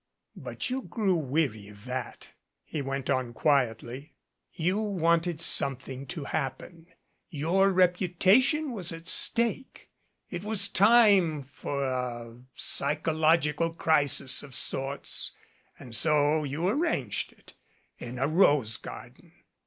"But you grew weary of that," he went on quietly. "You wanted something to happen. Your reputation was at state. It was time for a psychological crisis of sorts and so you arranged it in a rose garden."